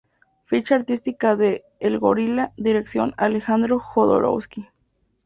Ficha artística de "El Gorila": Dirección: Alejandro Jodorowsky.